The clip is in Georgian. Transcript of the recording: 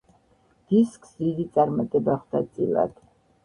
დისკს დიდი წარმატება ხვდა წილად.